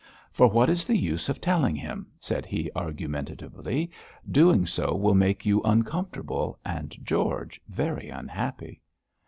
'For what is the use of telling him?' said he, argumentatively; 'doing so will make you uncomfortable and George very unhappy.'